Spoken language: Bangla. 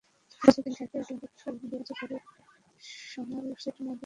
একই বছর তিনি সাহিত্যে আটলান্টিক পুরস্কার এবং দুই বছর পরে সমারসেট মম পুরস্কার লাভ করেন।